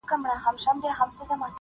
• چا یوه او چا بل لوري ته ځغستله -